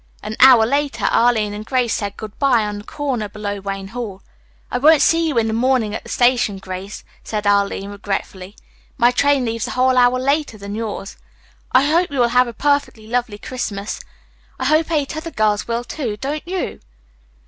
An hour later Arline and Grace said good bye on the corner below Wayne Hall. "I won't see you in the morning at the station, Grace," said Arline regretfully. "My train leaves a whole hour later than yours. I hope you will have a perfectly lovely Christmas. I hope eight other girls will, too. Don't you?"